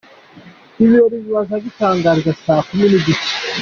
Ibirori bikaba bizatangira saa kumi n’Igice.